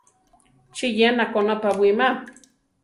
¿Chí yénako napawíma?